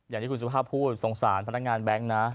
อย่างที่คุณสุภาพพูดสงสารพนักงานแบงค์นะ